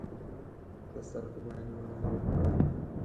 د سر په بیه نېول نه وو پکار.